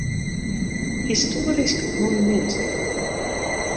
Histoarysk monumint.